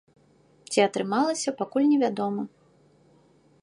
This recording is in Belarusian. Ці атрымалася, пакуль невядома.